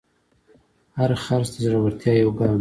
هر خرڅ د زړورتیا یو ګام دی.